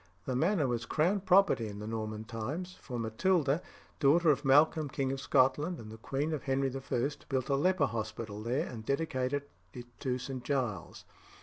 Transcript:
The manor was crown property in the Norman times, for Matilda, daughter of Malcolm king of Scotland and the queen of Henry I., built a leper hospital there, and dedicated it to St. Giles.